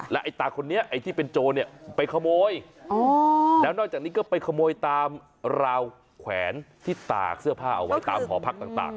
ไอ้ตาคนนี้ไอ้ที่เป็นโจรเนี่ยไปขโมยแล้วนอกจากนี้ก็ไปขโมยตามราวแขวนที่ตากเสื้อผ้าเอาไว้ตามหอพักต่าง